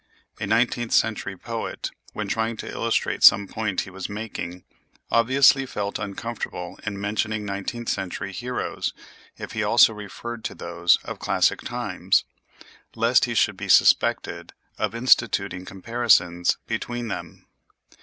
A nineteenth century poet, when trying to illustrate some point he was making, obviously felt uncomfortable in mentioning nineteenth century heroes if he also referred to those of classic times, lest he should be suspected of instituting comparisons between them.